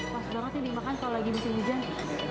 mas banget nih dimakan kalau lagi bisa hujan